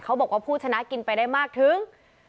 บอกว่าผู้ชนะกินไปได้มากถึง